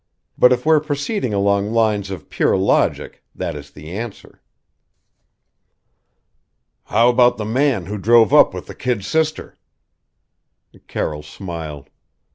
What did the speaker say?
But if we're proceeding along lines of pure logic, that is the answer." "How about the man who drove up with the kid sister?" Carroll smiled.